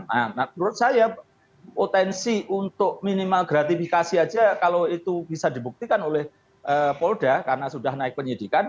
nah menurut saya potensi untuk minimal gratifikasi aja kalau itu bisa dibuktikan oleh polda karena sudah naik penyidikan